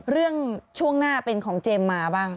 ช่วงหน้าเป็นของเจมส์มาบ้าง